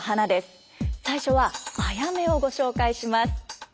最初は「あやめ」をご紹介します。